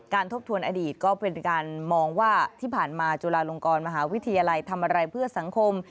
ทบทวนอดีตก็เป็นการมองว่าที่ผ่านมาจุฬาลงกรมหาวิทยาลัยทำอะไรเพื่อสังคม